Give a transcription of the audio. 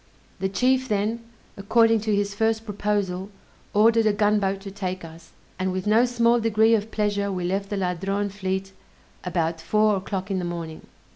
The chief then, according to his first proposal, ordered a gunboat to take us, and with no small degree of pleasure we left the Ladrone fleet about four o'clock in the morning.